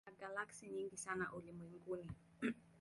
Kuna galaksi nyingi sana ulimwenguni.